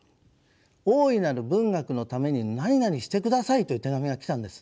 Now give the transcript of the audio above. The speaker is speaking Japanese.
「大いなる文学のために何々して下さい」という手紙が来たんです。